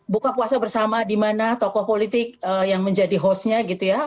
buka puasa bersama di mana tokoh politik yang menjadi hostnya gitu ya